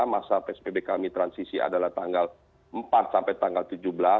masa psbb kami transisi adalah tanggal empat sampai tanggal tujuh belas